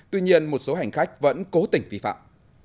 tuy nhiên một số hành khách vẫn cố tình vi phạm